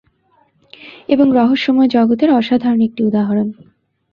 এবং রহস্যময় জগতের আসাধারণ একটি উদাহরণ।